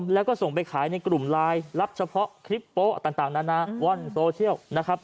แล้วก็ส่งไปขายในกลุ่มไลน์รับเฉพาะคลิปโป๊ะต่างนานาว่อนโซเชียลนะครับ